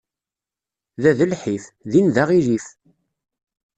Da d lḥif, din d aɣilif.